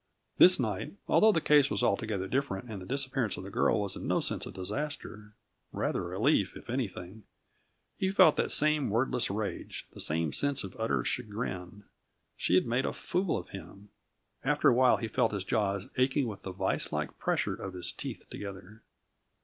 This night, although the case was altogether different and the disappearance of the girl was in no sense a disaster rather a relief, if anything he felt that same wordless rage, the same sense of utter chagrin. She had made a fool of him. After awhile he felt his jaws aching with the vicelike pressure of his teeth together.